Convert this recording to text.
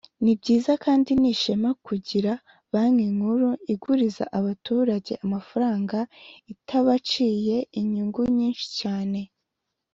ni byiza kandi nishema kugira Banki Nkuru iguriza abaturage amafaranga itabaciye inyungu nyinshi cyane